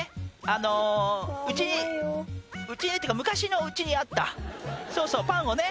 あのうちにうちにっていうか昔のうちにあったそうそうパンをね